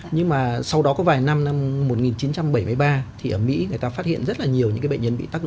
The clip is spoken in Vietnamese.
nhưng mà sau đó có vài năm năm một nghìn chín trăm bảy mươi ba thì ở mỹ người ta phát hiện rất là nhiều những bệnh nhân bị tắc